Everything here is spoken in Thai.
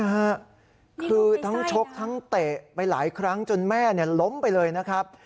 คือทั้งชกทั้งเตะไปหลายครั้งจนแม่ล้มไปเลยนะครับ